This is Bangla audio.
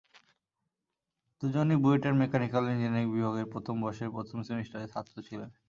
দুজনই বুয়েটের মেকানিক্যাল ইঞ্জিনিয়ারিং বিভাগের প্রথম বর্ষের প্রথম সেমিস্টারের ছাত্র ছিলেন।